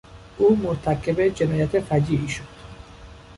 او مرتکب جنایت فجیعی شد.